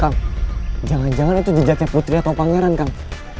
kang jangan jangan itu jejaknya putri atau pangeran kang